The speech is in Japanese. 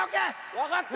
わかった。